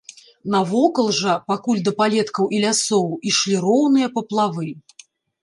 Навокал жа, пакуль да палеткаў і лясоў, ішлі роўныя паплавы.